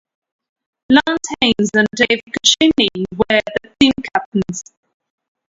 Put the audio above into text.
Lance Haynes and Dave Cecchini were the team captains.